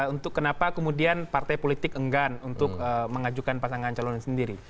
untuk kenapa kemudian partai politik enggan untuk mengajukan pasangan calon sendiri